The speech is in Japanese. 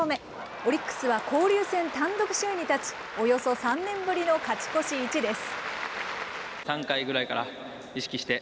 オリックスは交流戦単独首位に立ち、およそ３年ぶりの勝ち越し１です。